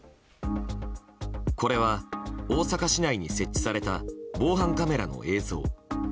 これは、大阪市内に設置された防犯カメラの映像。